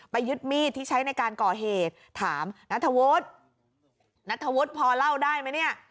ไปยึดมีดที่ใช้ในการก่อเหตุถามนทวรรษนทวรรษพอเล่าได้มั้ยเนี้ย